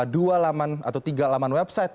dua laman atau tiga laman website